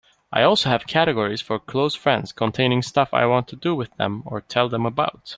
I also have categories for close friends containing stuff I want to do with them or tell them about.